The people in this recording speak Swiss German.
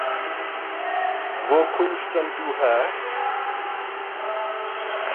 Wo kùmmsch denn dü häre?